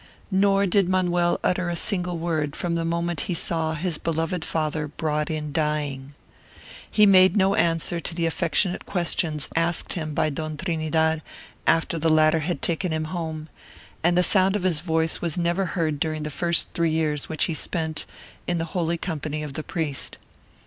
Nor did Manuel utter a single word from the moment he saw his beloved father brought in dying. He made no answer to the affectionate questions asked him by Don Trinidad after the latter had taken him home; and the sound of his voice was never heard during the first three years which he spent in the holy company of the priest.